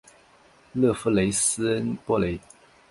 勒夫雷斯恩波雷。